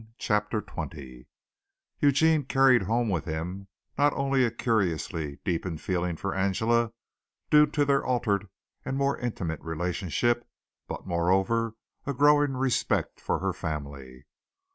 CHAPTER XX Eugene carried home with him not only a curiously deepened feeling for Angela, due to their altered and more intimate relationship, but moreover a growing respect for her family.